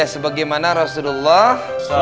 ya sebagaimana rasulullah